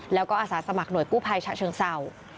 แล้วก็อาสาสมัครหน่วยกู้ภัยฉะเชิงเศร้า